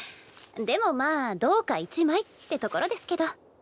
でもまあ銅貨１枚ってところですけど。